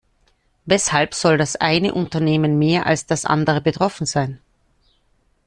Weshalb soll das eine Unternehmen mehr als das andere betroffen sein?